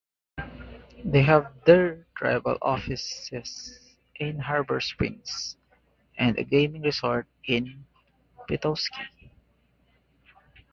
They have their tribal offices in Harbor Springs, and a gaming resort in Petoskey.